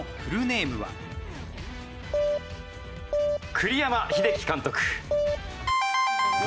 栗山英樹監督。